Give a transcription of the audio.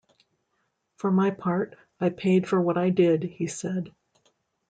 "For my part, I paid for what I did," he said.